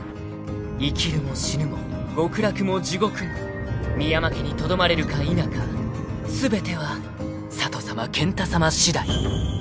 ［生きるも死ぬも極楽も地獄も深山家にとどまれるか否か全ては佐都さま健太さましだい］